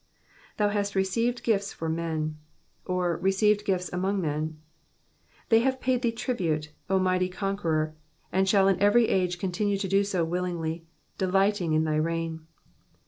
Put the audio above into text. ''''Thou haat received gifts for men^^^ or, received gifts among men : they have paid thee tribute, O mighty Conqueror, and shall in every age continue to do so willingly, delighting in thy reign.